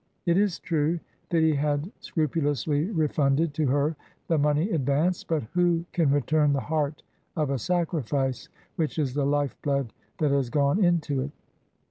It is true that he had scru pulously refunded to her the money advanced, but who can return the heart of a sacrifice, which is the life blood that has gone into it?